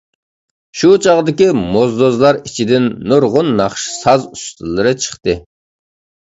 شۇ چاغدىكى موزدۇزلار ئىچىدىن نۇرغۇن ناخشا ساز ئۇستىلىرى چىققان.